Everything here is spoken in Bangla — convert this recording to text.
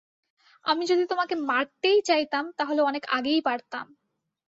আমি যদি তোমাকে মারতেই চাইতাম, তাহলে অনেক আগেই পারতাম।